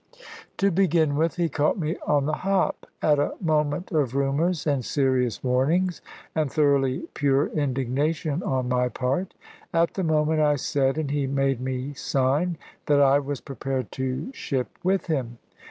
To begin with, he caught me on the hop; at a moment of rumours and serious warnings, and thoroughly pure indignation on my part. At the moment, I said (and he made me sign) that I was prepared to ship with him.